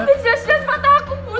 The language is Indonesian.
dia jelas jelas mata aku buta